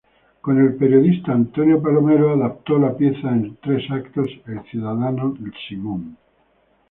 Con el periodista Antonio Palomero adaptó la pieza en tres actos "El ciudadano Simón".